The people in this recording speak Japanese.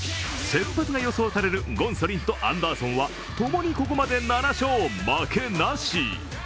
先発が予想されるゴンソリンとアンダーソンは共にここまで７勝負けなし。